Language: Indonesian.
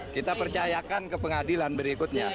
kita percayakan ke pengadilan berikutnya